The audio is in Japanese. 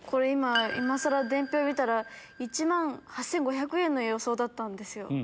今更伝票見たら１万８５００円の予想だったんです。